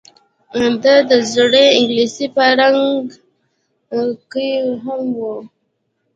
دا د زړې انګلیسي په رنګ کې هم وه